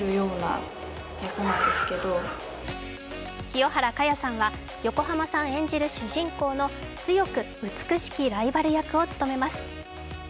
清原果耶さんは横浜さん演じる主人公の強く美しきライバル役を務めます。